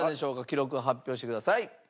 記録を発表してください。